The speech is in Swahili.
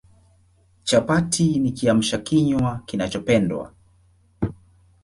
Chapati ni Kiamsha kinywa kinachopendwa